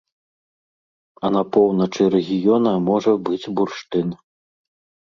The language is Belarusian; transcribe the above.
А на поўначы рэгіёна можа быць бурштын.